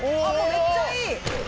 めっちゃいい！